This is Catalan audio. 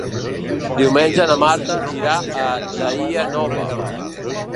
Diumenge na Marta irà a Daia Nova.